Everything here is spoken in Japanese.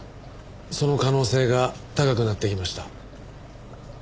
その可能性が高くなってきました。